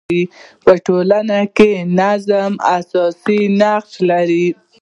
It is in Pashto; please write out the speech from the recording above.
په ټولنه کي نظم اساسي نقش لري.